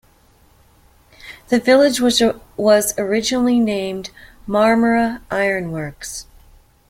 The village was originally named Marmora Iron Works.